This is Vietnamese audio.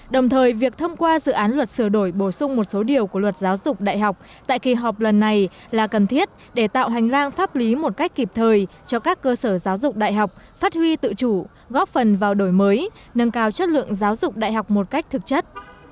đồng thời việc thông qua dự án luật sửa đổi bổ sung một số điều của luật giáo dục đại học tại kỳ họp lần này là cần thiết để tạo hành lang pháp lý một cách kịp thời cho các cơ sở giáo dục đại học phát huy tự chủ góp phần vào đổi mới nâng cao chất lượng giáo dục đại học một cách thực chất